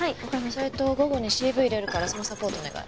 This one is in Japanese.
それと午後にＣＶ入れるからそのサポートお願い。